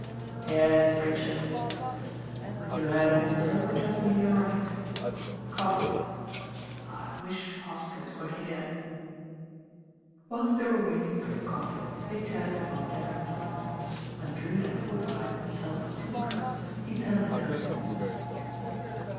"Yes, Richard," he said, "you have interpreted me aright— coffee. How I wish Hoskins wera here. « Whilst they were waiting for the coffee they chatted upon general topics. When Drewitt had fortified himseli with two cups he turned to Beres ford.